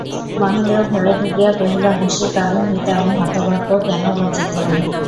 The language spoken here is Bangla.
মহেন্দ্র ঘরে ঢুকিয়া কহিল, হাসির কারণ হইতে আমি হতভাগ্য কেন বঞ্চিত হই।